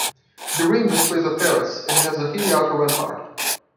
The rim displays a terrace, and has a hilly outer rampart.